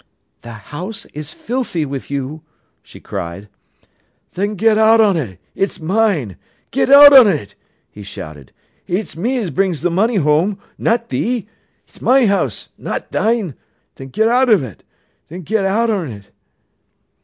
"The house is filthy with you," she cried. "Then get out on it—it's mine. Get out on it!" he shouted. "It's me as brings th' money whoam, not thee. It's my house, not thine. Then ger out on't—ger out on't!"